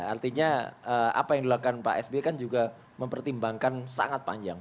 artinya apa yang dilakukan pak sby kan juga mempertimbangkan sangat panjang